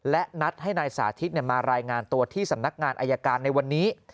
และนัดให้นายสาธิตมารายงานตัวที่สำนักงานอายการในวันนี้